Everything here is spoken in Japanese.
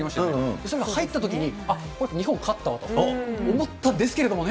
それが入ったときに、あっ、これ、日本勝ったわと思ったんですけどね。